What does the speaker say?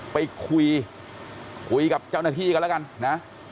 ไปคุยคุยกับเจ้าหน้าที่กันแล้วกันนะ